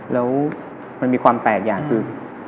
แล้วมันมีความแปลกอย่างคือ